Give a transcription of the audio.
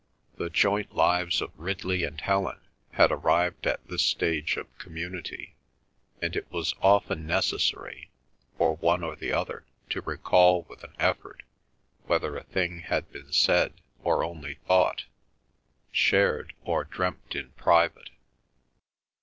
The joint lives of Ridley and Helen had arrived at this stage of community, and it was often necessary for one or the other to recall with an effort whether a thing had been said or only thought, shared or dreamt in private.